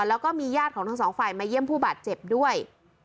แล้วก็มีญาติของทั้งสองฝ่ายมาเยี่ยมผู้บาดเจ็บด้วย